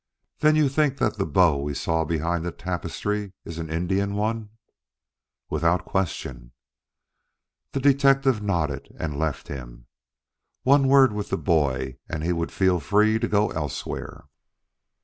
"Then you think that the bow we saw behind the tapestry is an Indian one?" "Without question." The detective nodded and left him. One word with the boy, and he would feel free to go elsewhere.